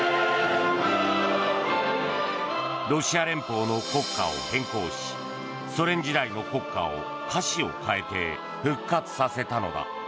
ロシア連邦の国歌を変更しソ連時代の国歌を歌詞を変えて復活させたのだ。